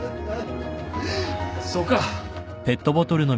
そうか。